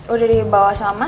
udah dibawa sama sama sama